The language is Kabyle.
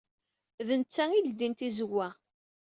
D netta ay ileddyen tizewwa.